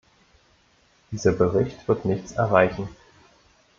Dieser Bericht wird nichts erreichen.